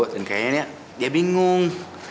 dan kayaknya dia bingung